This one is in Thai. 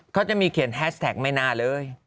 เขาจะมีเขียนแฮชแท็กไม่น่าเลย